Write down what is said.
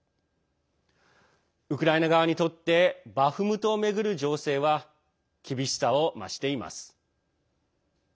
ウクライナ側にとってバフムトを巡る情勢は厳しさを増しています。